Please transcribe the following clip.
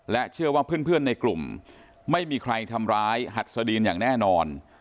เชื่อว่าเพื่อนในกลุ่มไม่มีใครทำร้ายหัดสดีนอย่างแน่นอน